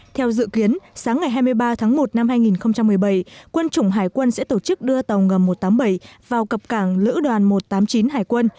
theo dự kiến sáng ngày hai mươi ba tháng một năm hai nghìn một mươi bảy quân chủng hải quân sẽ tổ chức đưa tàu ngầm một trăm tám mươi bảy vào cập cảng lữ đoàn một trăm tám mươi chín hải quân